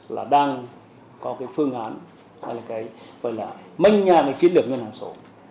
là đang có cái phương án mênh nhà này chiến được ngân hàng số